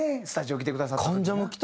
スタジオ来てくださった時な。